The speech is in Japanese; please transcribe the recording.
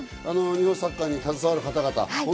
日本のサッカーに携わる皆さん